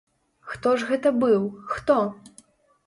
Хто ж гэта быў, хто?